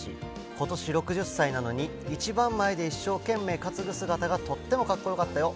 ことし６０歳なのに、一番前で一生懸命担ぐ姿がとってもかっこよかったよ！